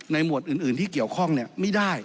ในหมวดอื่นที่เกี่ยวข้องเนี่ยไม่ได้